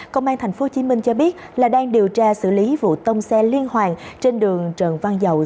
công an tp hcm cho biết là đang điều tra xử lý vụ tông xe liên hoàn trên đường trần văn dậu